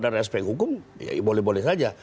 dari aspek hukum ya boleh boleh saja